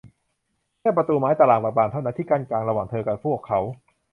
แค่ประตูไม้ตารางบาง ๆ เท่านั้น ที่กั้นกลางระหว่างเธอและพวกเขา